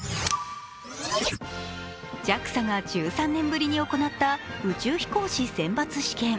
ＪＡＸＡが１３年ぶりに行った宇宙飛行士選抜試験。